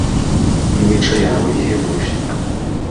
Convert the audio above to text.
n imico yawe ihebuje